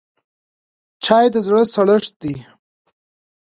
چای د زړه سړښت دی